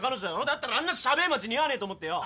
だったらあんなシャベえ街似合わねえと思ってよ。